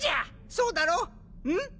そうだろ？ん？